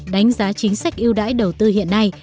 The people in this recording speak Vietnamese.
đánh giá chính sách yêu đãi đầu tư hiện nay